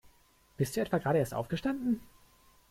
Bist du etwa gerade erst aufgestanden?